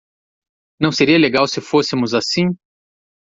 Não seria legal se fôssemos assim?